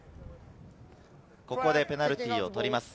ここでペナルティーを取ります。